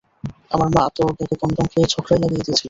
আমার মা তো ব্যাগে কনডম পেয়ে, ঝগড়াই লাগিয়ে দিয়েছিল।